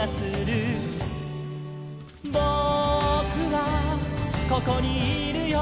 「ぼくはここにいるよ」